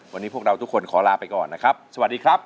วันนี้พวกเราทุกคนขอลาไปก่อนนะครับสวัสดีครับ